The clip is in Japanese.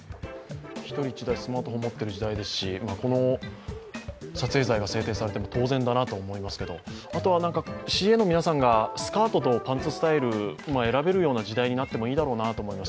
１人１台、スマートフォンを持ってる時代ですしこの撮影罪が制定されても当然だなと思いますけどあとは、ＣＡの皆さんが、スカートとパンツスタイルが選べる時代になってもいいだろうなと思います。